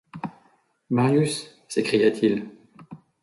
Marius! s’écria-t-il.